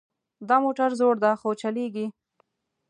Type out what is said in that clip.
دا موټر زوړ ده خو چلیږي